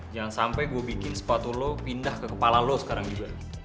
jangan sampai gue bikin sepatu lo pindah ke kepala lo sekarang juga